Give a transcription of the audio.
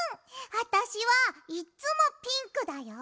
わたしはいっつもピンクだよ。